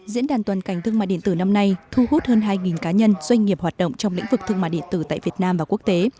diễn đàn toàn cảnh thương mại điện tử năm nay thu hút hơn hai cá nhân doanh nghiệp hoạt động trong lĩnh vực thương mại điện tử tại việt nam và quốc tế